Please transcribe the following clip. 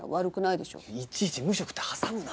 いちいち無職って挟むな！